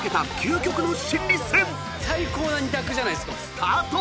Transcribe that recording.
［スタート！］